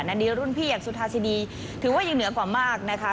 อันนี้รุ่นพี่อย่างสุธาสินีถือว่ายังเหนือกว่ามากนะคะ